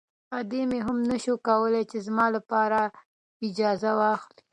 ادې مې هم نه شوای کولی چې زما لپاره اجازه واخلي.